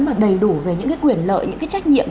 mà đầy đủ về những cái quyền lợi những cái trách nhiệm